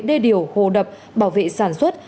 đê điều hồ đập bảo vệ sản xuất